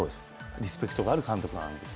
リスペクトがある監督なんです。